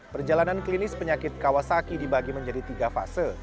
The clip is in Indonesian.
perjalanan klinis penyakit kawasaki dibagi menjadi tiga fase